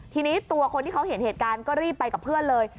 ทีนี้ตัวคนที่เขาเห็นเหตุการณ์ก็รีบไปกับเพื่อนเลย